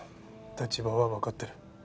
立場はわかってる。